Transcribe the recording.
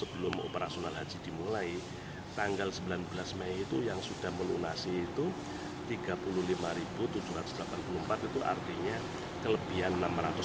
dan juga kekuotaan suci bisa terisi penuh